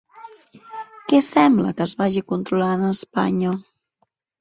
Què sembla que es vagi controlant a Espanya?